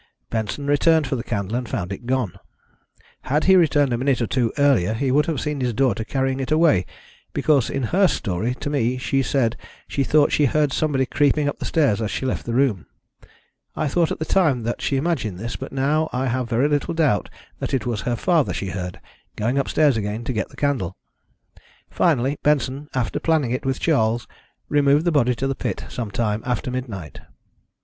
Benson returned for the candle and found it gone. Had he returned a minute or two earlier he would have seen his daughter carrying it away, because in her story to me she said she thought she heard somebody creeping up the stairs as she left the room. I thought at the time that she imagined this, but now I have very little doubt that it was her father she heard, going upstairs again to get the candle. Finally, Benson, after planning it with Charles, removed the body to the pit some time after midnight."